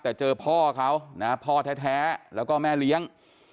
แต่เจอพ่อเขานะพ่อแท้แล้วก็แม่เลี้ยง